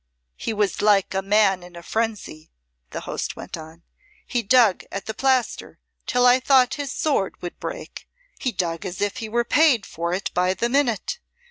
"He was like a man in a frenzy," the host went on. "He dug at the plaster till I thought his sword would break; he dug as if he were paid for it by the minute.